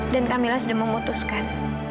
dan kamilah sudah memutuskan